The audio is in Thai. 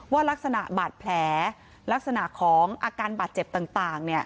ลักษณะบาดแผลลักษณะของอาการบาดเจ็บต่าง